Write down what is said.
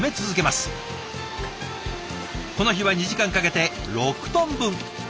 この日は２時間かけて６トン分。